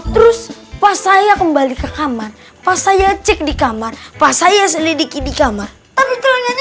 terus pas saya kembali ke kamar pas saya cek di kamar pas saya selidiki di kamar tapi kelengahnya